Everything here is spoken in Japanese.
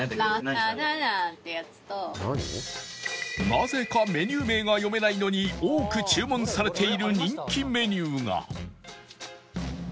なぜかメニュー名が読めないのに多く注文されている人気メニューが